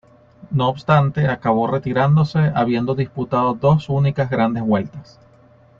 No obstante acabó retirándose habiendo disputado dos únicas grandes vueltas.